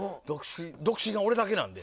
独身が俺だけなんで。